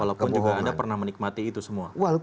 walaupun juga anda pernah menikmati itu semua